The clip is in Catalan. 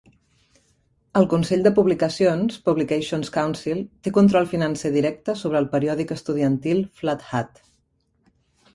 El Consell de Publicacions (Publications Council) té control financer directe sobre el periòdic estudiantil "Flat Hat".